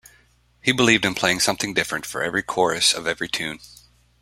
He believed in playing something different for every chorus of every tune.